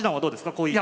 こういう。